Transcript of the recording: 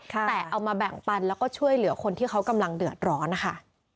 แต่เอามาแบ่งปันแล้วก็ช่วยเหลือคนที่เขากำลังเดือดร้อนนะคะ